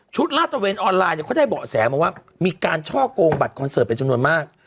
ลาดตะเวนออนไลน์เนี่ยเขาได้เบาะแสมาว่ามีการช่อกงบัตรคอนเสิร์ตเป็นจำนวนมาก